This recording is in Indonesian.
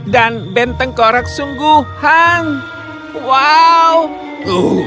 dan benteng korak sungguhan wow